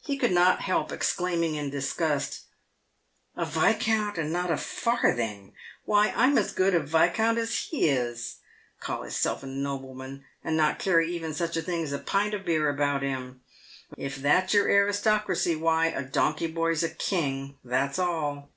He could not help exclaiming in disgust, " A viscount, and not a farthing! "Why I'm as good a viscount as he is! Call hisself a nobleman, and not carry even such a thing as a pint of beer about him! If that's your aristocracy, why a donkey boy's a king — that's all."